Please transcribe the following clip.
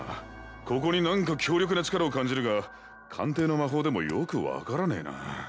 ここに何か強力な力を感じるが鑑定の魔法でもよく分からねえな。